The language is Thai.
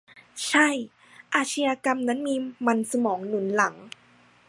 ใช่ อาชญากรรมนั่นมีมันสมองหนุนหลัง